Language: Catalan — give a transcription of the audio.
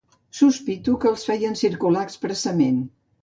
Sospito que els feien circular expressament